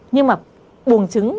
nhưng mà buồng trứng